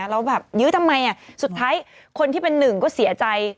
แล้วแบบยื้อทำไมสุดท้ายคนที่เป็นหนึ่งก็เสียใจ